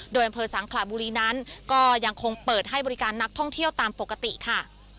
โดยอำเภอสังขลาบุรีนั้นก็ยังคงเปิดให้บริการนักท่องเที่ยวตามปกติค่ะ